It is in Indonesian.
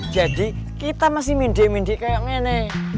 jadi kita masih mendek mendek kayak nenek